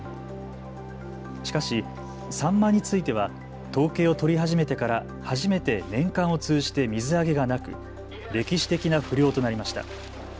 しかしサンマについては統計を取り始めてから初めて年間を通じて水揚げがなく歴史的な不漁となりました。